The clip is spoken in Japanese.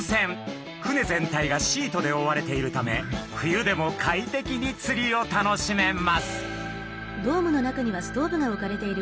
船全体がシートでおおわれているため冬でも快適に釣りを楽しめます。